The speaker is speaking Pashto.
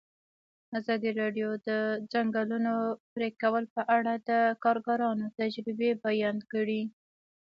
ازادي راډیو د د ځنګلونو پرېکول په اړه د کارګرانو تجربې بیان کړي.